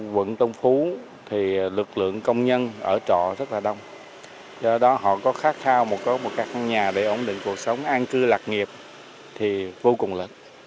quận tân phú thì lực lượng công nhân ở trọ rất là đông do đó họ có khát khao một các nhà để ổn định cuộc sống an cư lạc nghiệp thì vô cùng lớn